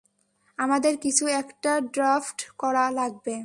আমাদের কিছু একটা ড্র্যাফট করা লাগবে।